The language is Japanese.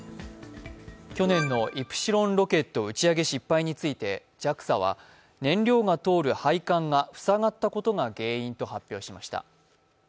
去年のイプシロンロケット打ち上げ失敗についてＪＡＸＡは燃料が通る配管が塞がったことが原因と発表しました。